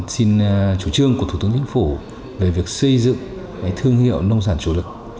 xin chủ trương của thủ tướng chính phủ về việc xây dựng thương hiệu nông sản chủ lực